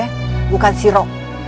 ya bukan siro